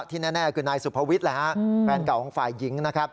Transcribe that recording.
ที่แน่คือนายสุภวิทย์แฟนเก่าของฝ่ายหญิง